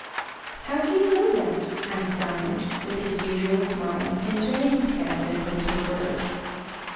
"How do you know that?" asked Diamond, with his usual smile, and turning his head like a little bird.